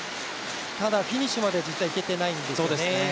ただ、フィニッシュまでいけていないんですよね。